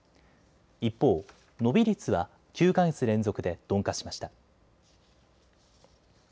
一方、伸び率は９か月連続で鈍化しました。